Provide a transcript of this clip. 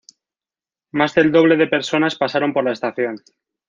Más del doble de personas pasaron por la estación.